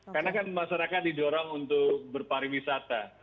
karena kan masyarakat didorong untuk berpariwisata